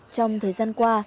trong thời gian qua